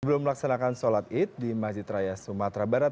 sebelum melaksanakan sholat id di masjid raya sumatera barat